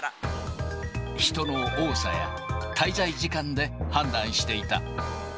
人の多さや、滞在時間で判断していた。